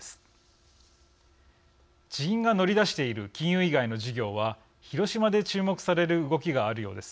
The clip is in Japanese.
地銀が乗り出している金融以外の事業は広島で注目される動きがあるようです。